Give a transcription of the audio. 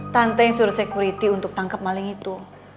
tante yang suruh entertainment yang mau menangkap maling itu